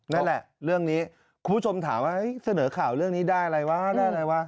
นั่นแหละเรื่องนี้คุณผู้ชมถามว่าเสนอข่าวเรื่องนี้ได้อะไรวะได้อะไรวะ